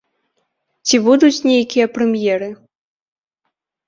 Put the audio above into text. Ці будуць нейкія прэм'еры?